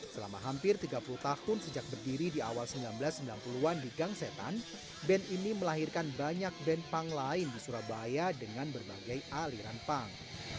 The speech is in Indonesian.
selama hampir tiga puluh tahun sejak berdiri di awal seribu sembilan ratus sembilan puluh an di gang setan band ini melahirkan banyak band punk lain di surabaya dengan berbagai aliran punk